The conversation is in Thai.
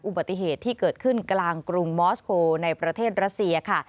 อุบัติเหตุที่เกิดขึ้นกลางกรุงมอสโคลในประเทศรัสเซียค่ะ